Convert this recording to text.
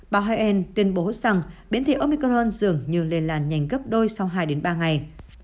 bà helen tuyên bố rằng biến thể omicron dường như lây lan nhanh gấp đôi sau hai ba ngày